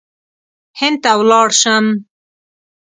هند ته ولاړ شم.